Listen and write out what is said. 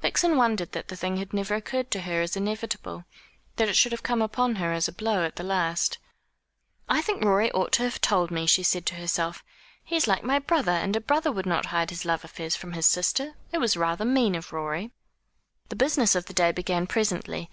Vixen wondered that the thing had never occurred to her as inevitable that it should have come upon her as a blow at the last. "I think Rorie ought to have told me," she said to herself. "He is like my brother; and a brother would not hide his love affairs from his sister. It was rather mean of Rorie." The business of the day began presently.